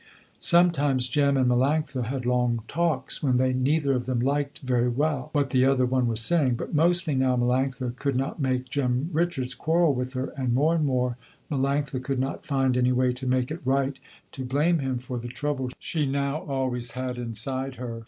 Sometimes Jem and Melanctha had long talks when they neither of them liked very well what the other one was saying, but mostly now Melanctha could not make Jem Richards quarrel with her, and more and more, Melanctha could not find any way to make it right to blame him for the trouble she now always had inside her.